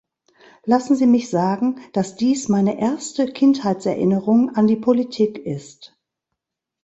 Lassen Sie mich sagen, dass dies meine erste Kindheitserinnerung an die Politik ist.